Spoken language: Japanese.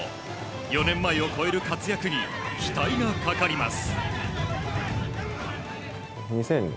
４年前を超える活躍に期待がかかります。